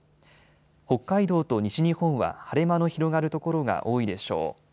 北海道と西日本は晴れ間の広がる所が多いでしょう。